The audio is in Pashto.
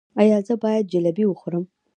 ایا زه باید جلبي وخورم؟